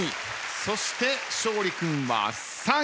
そして勝利君は３位。